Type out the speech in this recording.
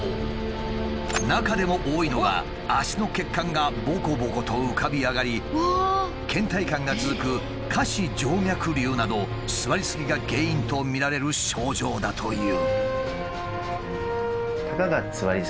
中でも多いのが脚の血管がボコボコと浮かび上がりけん怠感が続く下肢静脈瘤など座りすぎが原因とみられる症状だという。